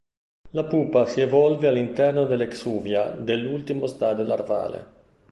La pupa si evolve all'interno dell'exuvia dell'ultimo stadio larvale.